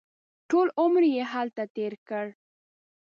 ټول عمر یې هلته تېر کړ.